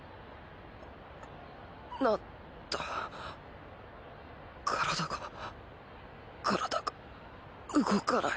なんだ体が体が動かない。